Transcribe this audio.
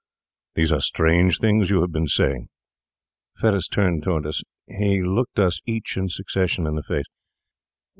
These are strange things you have been saying.' Fettes turned toward us; he looked us each in succession in the face.